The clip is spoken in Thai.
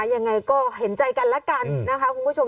ยังไงก็เห็นใจกันแล้วกันนะคะคุณผู้ชม